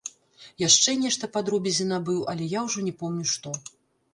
Яшчэ нешта па дробязі набыў, але я ўжо не помню што.